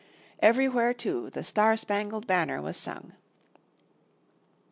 Everywhere too "The Star Spangled Banner" was sung.